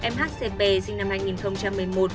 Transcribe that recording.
mhcp sinh năm hai nghìn một mươi một